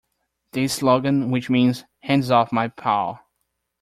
This slogan, which means Hands off my pal!